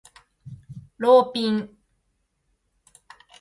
ローピン